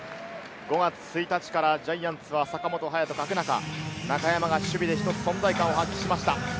５月１日からジャイアンツの坂本勇人を欠く中、中山が守備で一つ存在感を発揮しました。